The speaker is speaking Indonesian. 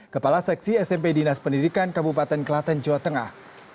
kepala seksi smp dinas pendidikan kabupaten kelaten jawa tengah